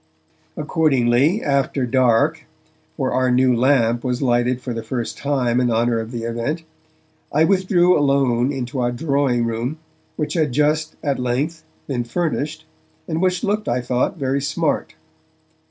Accordingly, after dark (for our new lamp was lighted for the first time in honour of the event), I withdrew alone into our drawing room, which had just, at length, been furnished, and which looked, I thought, very smart.